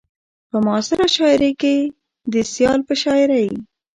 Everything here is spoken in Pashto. په معاصره شاعرۍ کې د سيال په شاعرۍ